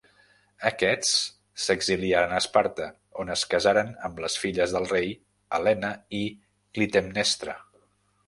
Aquests s'exiliaren a Esparta, on es casaren amb les filles del rei, Helena i Clitemnestra.